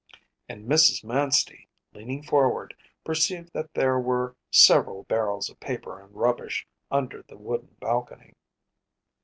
‚ÄĚ And Mrs. Manstey, leaning forward, perceived that there were several barrels of paper and rubbish under the wooden balcony.